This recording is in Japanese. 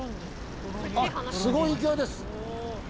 すごい勢いです。